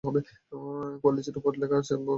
কোয়ালিস্টদের উপর লেখা আরো কিছু বই পড়তে চাচ্ছি।